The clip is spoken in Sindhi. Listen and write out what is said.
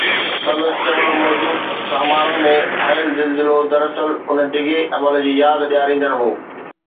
سندس چوڻ موجب سامارا ۾ آيل زلزلو دراصل ان ڊگهي عمل جي ياد ڏياريندڙ هو